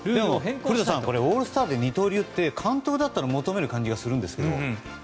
古田さん、オールスターで二刀流で完投だったら求める感じがするんですけど。